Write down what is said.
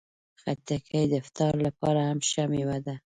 خټکی د افطار لپاره هم ښه مېوه ده.